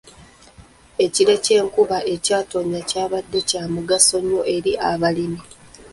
Ekire ky'enkuba ekyatonnye kyabadde kya mugaso nnyo eri abalimi.